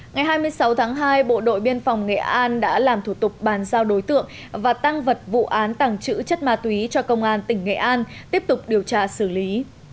ngày hai mươi sáu tháng hai bộ đội biên phòng nghệ an đã làm thủ tục bàn giao đối tượng và tăng vật vụ án tảng chữ ma túy cho công an tỉnh nghệ an tiếp tục điều tra xử lý